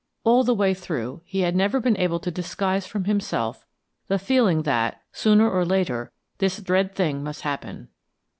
All the way through, he had never been able to disguise from himself the feeling that, sooner or later, this dread thing must happen.